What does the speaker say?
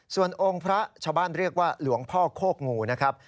ส่วนองค์พระชาวบ้านเรียกว่าหลวงพ่อโคกงูนะครับ